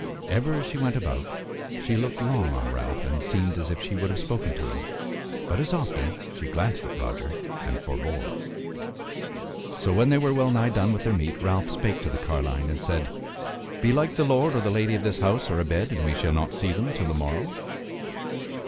Ever as she went about she looked long on Ralph, and seemed as if she would have spoken to him, but as often, she glanced at Roger and forbore. So when they were well nigh done with their meat Ralph spake to the carline and said: "Belike the lord or the lady of this house are abed and we shall not see them till the morrow?"